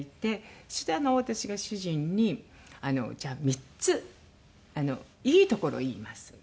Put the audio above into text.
そして私が主人に「じゃあ３ついいところを言います」。